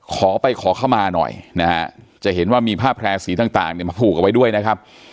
ขอไปขอเข้ามาหน่อยนะฮะจะเห็นว่ามีผ้าแพร่สีต่างเนี่ยมาผูกเอาไว้ด้วยนะครับ